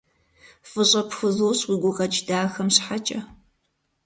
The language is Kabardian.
ФӀыщӀэ пхузощӀ уи гукъэкӀ дахэм щхьэкӀэ.